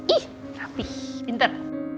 ih rapih pinter